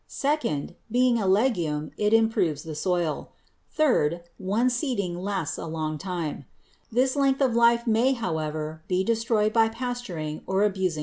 Second, being a legume, it improves the soil. Third, one seeding lasts a long time. This length of life may, however, be destroyed by pasturing or abusing the alfalfa.